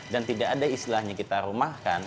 dan tidak ada istilahnya kita rumahkan